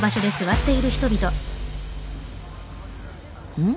うん？